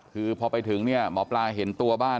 คือพอไปถึงเนี่ยหมอปลาเห็นตัวบ้าน